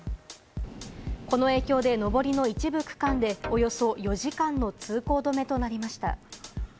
この影響で上りの一部区間でおよそ４時間の通行止めとなりました。